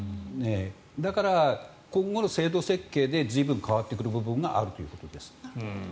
だから今後の制度設計で随分変わってくる部分があるということです。